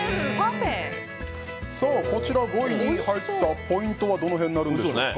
こちら５位に入ったポイントはどの辺になるんでしょうか？